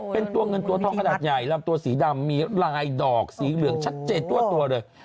เป็นตัวเงินตัวทองขนาดใหญ่ลำตัวสีดำมีลายดอกสีเหลืองชัดเจนทั่วตัวเลย